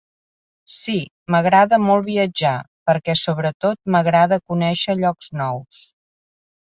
Sí. M'agrada molt viatjar, perquè sobretot m'agrada conèixer llocs nous.